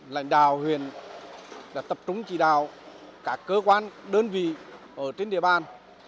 lãnh đạo huyện đã tập trung chỉ đạo các cơ quan đơn vị ở trên địa bàn